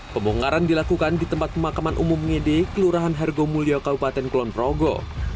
pembongkaran dilakukan di tempat pemakaman umum ngede kelurahan hargomulyo kabupaten kulonprogo